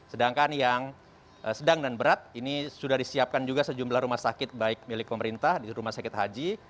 sedangkan yang sedang dan berat ini sudah disiapkan juga sejumlah rumah sakit baik milik pemerintah di rumah sakit haji